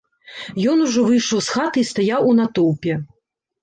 Ён ужо выйшаў з хаты і стаяў у натоўпе.